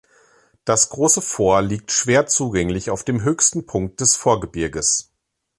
Das große Fort liegt schwer zugänglich auf dem höchsten Punkt des Vorgebirges.